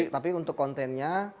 tapi untuk kontennya